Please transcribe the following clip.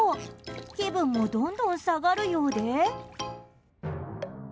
気分もどんどん下がるようで。